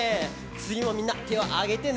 つぎもみんなてをあげてね！